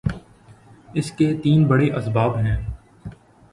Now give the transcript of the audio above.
اس کے تین بڑے اسباب ہیں۔